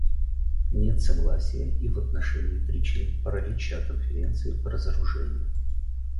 Нет согласия и в отношении причин паралича Конференции по разоружению.